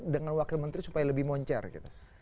dengan wakil menteri supaya lebih moncer gitu